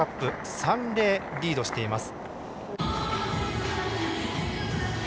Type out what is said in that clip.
３−０リードしています。